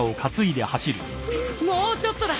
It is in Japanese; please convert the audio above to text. もうちょっとだ！